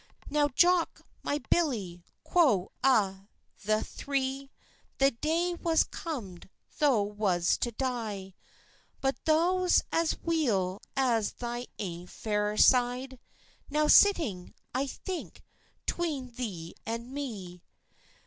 "Now, Jock, my billie," quo a' the three, "The day was comd thou was to die; But thou's as weel at thy ain fireside, Now sitting, I think, 'tween thee and me."